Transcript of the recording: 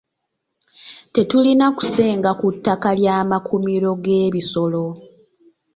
Tetulina kusenga ku ttaka ly'amakuumiro g'ebisolo.